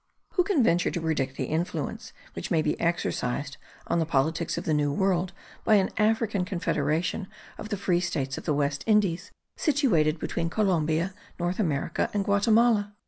Who can venture to predict the influence which may be exercised on the politics of the New World by an African Confederation of the free states of the West Indies, situated between Columbia, North America, and Guatimala?